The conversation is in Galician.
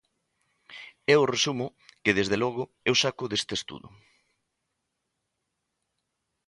É o resumo que, desde logo, eu saco deste estudo.